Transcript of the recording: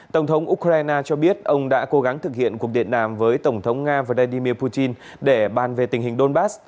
tổng thống ukraine cho biết ông đã cố gắng thực hiện cuộc điện đàm với tổng thống nga vladimir putin để bàn về tình hình donbass